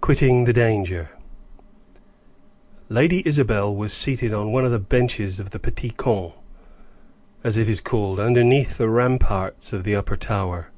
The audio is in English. QUITTING THE DANGER. Lady Isabel was seated on one of the benches of the Petit Camp, as it is called, underneath the ramparts of the upper tower.